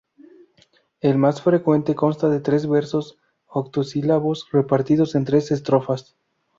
El más frecuente consta de trece versos octosílabos repartidos en tres estrofas.